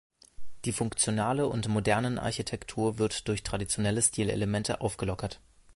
Die funktionale und modernen Architektur wird durch traditionelle Stilelemente aufgelockert.